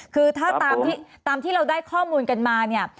คือถ้าตามที่เราได้ข้อมูลกันมาเนี่ย